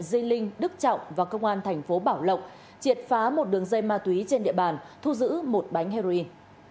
di linh đức trọng và công an thành phố bảo lộc triệt phá một đường dây ma túy trên địa bàn thu giữ một bánh heroin